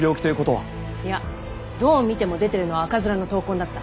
いやどう見ても出てるのは赤面の痘痕だった。